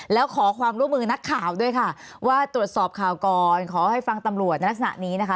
แล้วขอความร่วมมือนักข่าวด้วยค่ะว่าตรวจสอบข่าวก่อนขอให้ฟังตำรวจในลักษณะนี้นะคะ